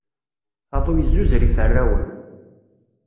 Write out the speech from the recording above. Aḍu yezzuzer iferrawen.